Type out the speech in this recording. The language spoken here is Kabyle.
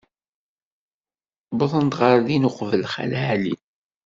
Uwḍen ɣer din uqbel Xali Ɛli.